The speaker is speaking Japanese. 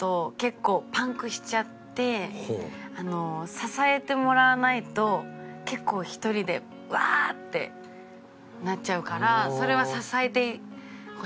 支えてもらわないと結構１人でワーッてなっちゃうからそれは支えてほしい。